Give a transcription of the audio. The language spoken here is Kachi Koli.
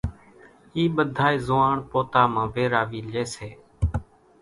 اِي ٻڌائي زوئاڻ پوتا مان ويراوي لئي سي،